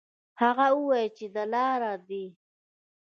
هغه وویل چې دلار دي.